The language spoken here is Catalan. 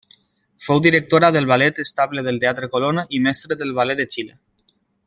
Fou directora del Ballet estable del Teatre Colón i mestre del ballet de Xile.